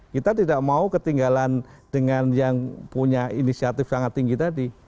kita tidak mau ketinggalan dengan yang punya inisiatif sangat tinggi tadi